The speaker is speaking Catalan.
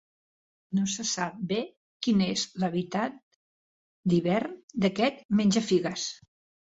No se sap bé quin és l'hàbitat d'hivern d'aquest menjafigues.